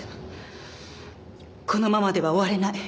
このままでは終われない。